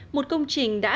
một công trình đã